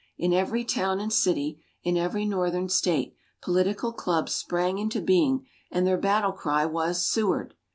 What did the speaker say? In every town and city, in every Northern State, political clubs sprang into being and their battle cry was "Seward!"